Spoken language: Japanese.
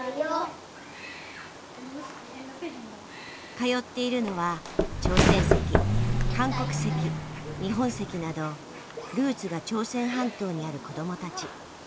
通っているのは朝鮮籍韓国籍日本籍などルーツが朝鮮半島にある子どもたち。